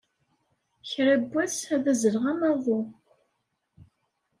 Kra n wass, ad azzleɣ am waḍu.